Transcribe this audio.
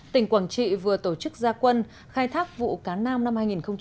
tỉnh quảng trị vừa tổ chức gia quân khai thác vụ cá nam năm hai nghìn một mươi chín